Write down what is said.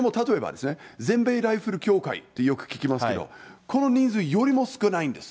例えば全米ライフル協会ってよく聞きますけど、この人数よりも少ないんです。